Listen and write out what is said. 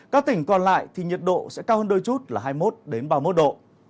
các tỉnh còn lại thì nhiệt độ sẽ cao hơn đôi chút là hai mươi một ba mươi một độ